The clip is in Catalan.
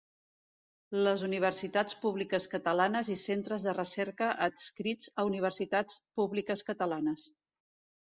Les universitats públiques catalanes i centres de recerca adscrits a universitats públiques catalanes.